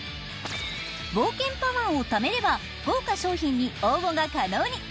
冒険パワーをためれば豪華賞品に応募が可能に。